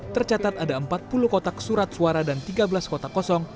tercatat ada empat puluh kotak surat suara dan tiga belas kotak kosong